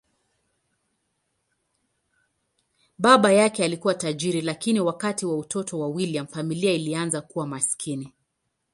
Baba yake alikuwa tajiri, lakini wakati wa utoto wa William, familia ilianza kuwa maskini.